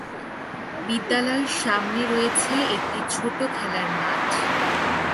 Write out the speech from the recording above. বিদ্যালয়ের সামনে রয়েছে একটি ছোট খেলার মাঠ।